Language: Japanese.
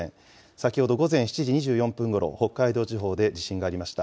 先ほど午前７時２４分ごろ、北海道地方で地震がありました。